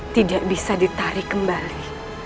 tidak bisa ditarik kembali